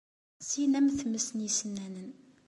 Xsin am tmes n yisennanen.